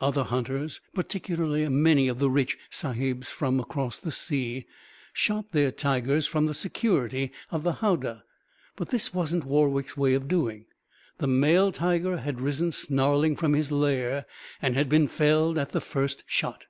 Other hunters, particularly many of the rich sahibs from across the sea, shot their tigers from the security of the howdah; but this wasn't Warwick's way of doing. The male tiger had risen snarling from his lair, and had been felled at the first shot.